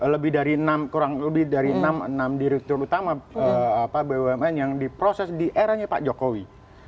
lebih dari enam kurang lebih dari enam direktur utama bumn yang diproses di eranya pak jokowi